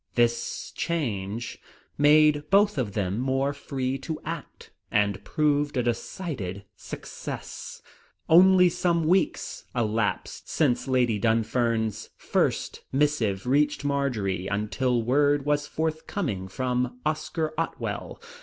This change made both of them more free to act, and proved a decided success. Only some weeks elapsed since Lady Dunfern's first missive reached Marjory until word was forthcoming from Oscar Otwell.